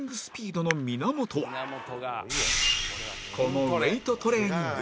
そのこのウェートトレーニング